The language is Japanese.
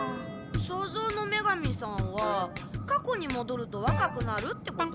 創造の女神さんは過去にもどるとわかくなるってこと？